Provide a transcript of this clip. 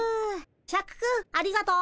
シャクくんありがとう。